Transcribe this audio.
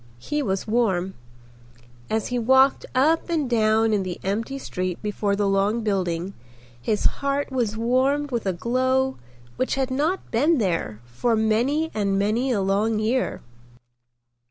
He was warm. As he walked up and down in the empty street before the long building his heart was warmed with a glow which had not been there for many and many a long year.